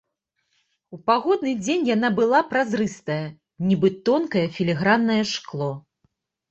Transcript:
У пагодны дзень яна была празрыстая, нібы тонкае філіграннае шкло.